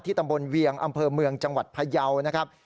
ตำบลเวียงอำเภอเมืองจังหวัดพยาวนะครับ